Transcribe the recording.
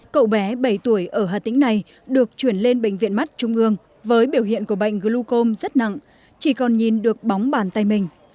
cậu bé bảy tuổi ở hà tĩnh này được chuyển lên bệnh viện mắt trung ương với biểu hiện của bệnh glucom rất nặng chỉ còn nhìn được bóng bàn tay mình